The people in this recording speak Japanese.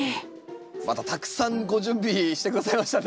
またたくさんご準備して下さいましたね。